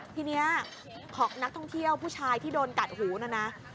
ทีนี้นักท่องเที่ยวผู้ชายที่โดนกัดหูนะนะ